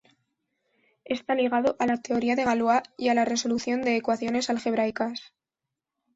Está ligado a la teoría de Galois y a la resolución de ecuaciones algebraicas.